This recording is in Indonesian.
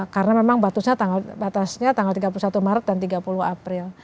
karena memang batasnya tanggal tiga puluh satu maret dan tiga puluh april